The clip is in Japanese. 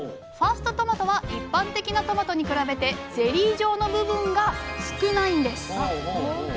ファーストトマトは一般的なトマトに比べてゼリー状の部分が少ないんです。